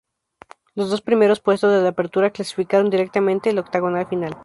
Los dos primeros puestos del Apertura clasificaron directamente al octogonal final.